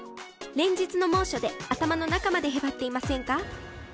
連日の猛暑で頭の中までへばっていませんか？